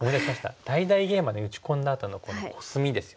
大々ゲイマで打ち込んだあとのこのコスミですよね。